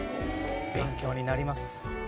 勉強になります。